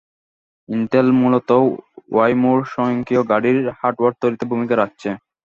Intel মূলত ওয়াইমোর স্বয়ংক্রিয় গাড়ির হার্ডওয়্যার তৈরিতে ভূমিকা রাখছে।